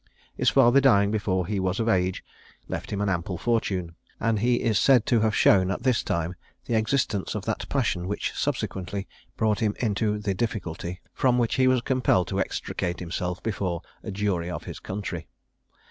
His father dying before he was of age, left him an ample fortune; and he is said to have shown at this time the existence of that passion which subsequently brought him into the difficulty from which he was compelled to extricate himself before a jury of his country.